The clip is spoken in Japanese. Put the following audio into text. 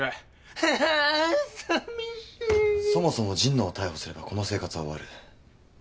そもそも神野を逮捕すればこの生活は終わる。